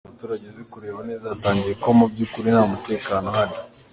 Umuturage uzi kureba neza, yatangiye kubona ko mu by’ukuri nta mutekano uhari.